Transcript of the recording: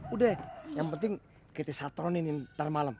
udah yang penting kita saturnin ini nanti malam ya